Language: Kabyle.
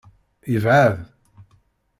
Yebɛed.